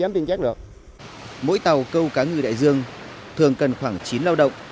mỗi tàu câu cá ngư đại dương thường cần khoảng chín lao động